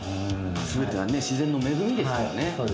全ては自然の恵みですからね。